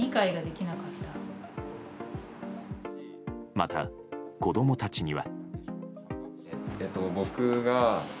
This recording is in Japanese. また、子供たちには。